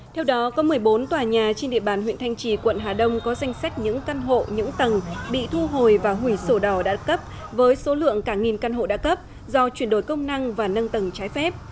theo đó có một mươi bốn tòa nhà trên địa bàn huyện thanh trì quận hà đông có danh sách những căn hộ những tầng bị thu hồi và hủy sổ đỏ đã cấp với số lượng cả nghìn căn hộ đã cấp do chuyển đổi công năng và nâng tầng trái phép